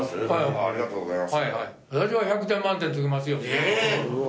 ありがとうございます。